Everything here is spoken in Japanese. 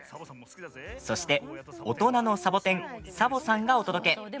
そして、大人のサボテンサボさんがお届け。